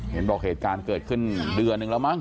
เห็นบอกเหตุการณ์เกิดขึ้นเดือนหนึ่งแล้วมั้ง